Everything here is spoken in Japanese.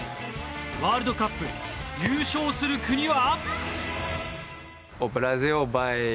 ワールドカップ、優勝する国は？